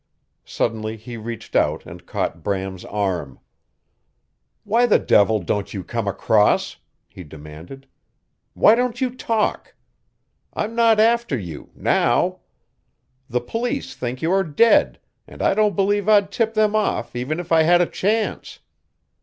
Suddenly he reached out and caught Bram's arm. "Why the devil don't you come across!" he demanded. "Why don't you talk? I'm not after you now. The Police think you are dead, and I don't believe I'd tip them off even if I had a chance.